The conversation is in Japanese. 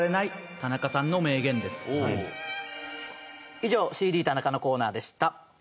以上「ＣＤ田中」のコーナーでした。